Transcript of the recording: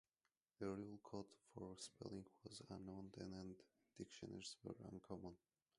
A rule code for spelling was unknown then and dictionaries were uncommon.